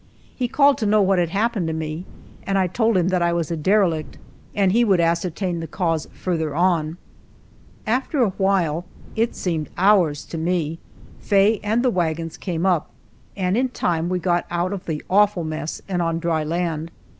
He called to know what had happened to me, and I told him that I was a derelict, and he would ascertain the cause farther on. After a while it seemed hours to me Faye and the wagons came up, and in time we got out of the awful mess and on dry land.